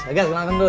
bagas makan dulu